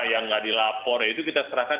yang nggak dilapor itu kita serahkan